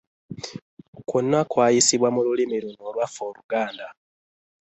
Kwonna kwayisibwa mu lulimi luno olwaffe Oluganda.